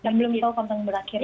dan belum tahu konten berakhir